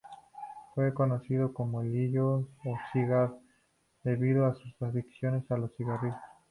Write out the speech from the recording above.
Fue conocido como "Lillo" o "Cigar" debido a su adicción a los cigarrillos.